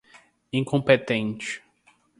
incompetente